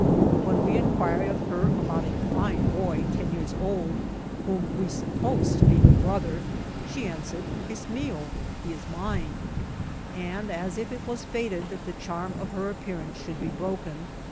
When we inquired of her about a fine boy ten years old, w4iom we supposed to be her brother, she answered, '^ es mio," he is mine ; and, as if it was fated that the charm of her appearance should be broken, 76 INClDVlfTS OF TKATBL.